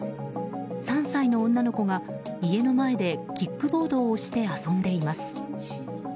３歳の女の子が家の前でキックボードを押して遊んでいます。